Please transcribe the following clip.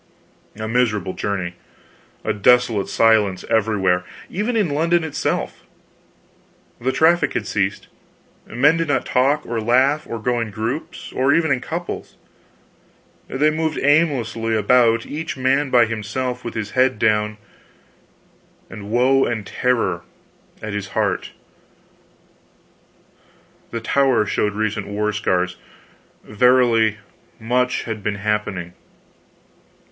A miserable journey. A desolate silence everywhere. Even in London itself. Traffic had ceased; men did not talk or laugh, or go in groups, or even in couples; they moved aimlessly about, each man by himself, with his head down, and woe and terror at his heart. The Tower showed recent war scars. Verily, much had been happening.